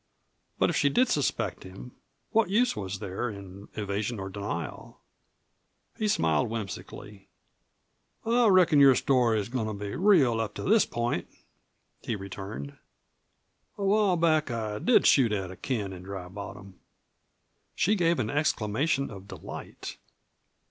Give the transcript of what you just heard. But if she did suspect him, what use was there in evasion or denial? He smiled whimsically. "I reckon your story is goin' to be real up to this point," he returned. "A while back I did shoot at a can in Dry Bottom." She gave an exclamation of delight.